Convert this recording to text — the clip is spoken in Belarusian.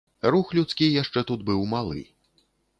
Рух людскі яшчэ тут быў малы.